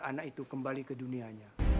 anak itu kembali ke dunianya